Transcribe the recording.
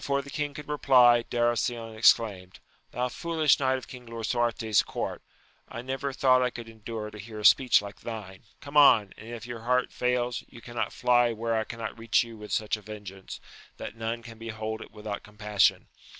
237 the king*' could reply, Darasion exclauned, Thou foolish knight of King Lisuarte's court ! I never thought I could endure to hear a speech like thine : come on ! and if your hea^ fails, you cannot fly where I cannot reach you with such a vengeance, that none can behold it without compassion.